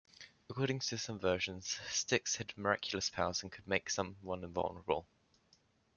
According to some versions, Styx had miraculous powers and could make someone invulnerable.